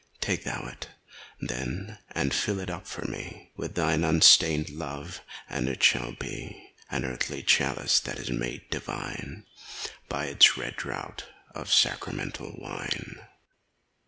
Take thou it, then, and fill it up for me With thine unstinted love, and it shall be An earthy chalice that is made divine By its red draught of sacramental wine.